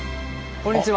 こんにちは。